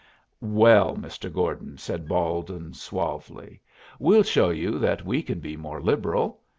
"Well, Mr. Gordon," said Baldwin, suavely, "we'll show you that we can be more liberal.